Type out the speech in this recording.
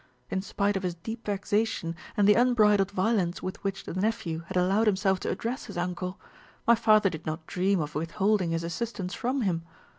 In spite of his deep vexation and the unbridled violence with which the nephew had allowed himself to address his uncle, my father did not dream of withholding his assistance from him.